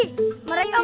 gak ada kita